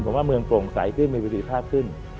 ผมว่าเมืองโปร่งสายขึ้นมีอยู่ริษภาพขึ้น